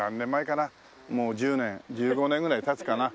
もう１０年１５年ぐらい経つかな。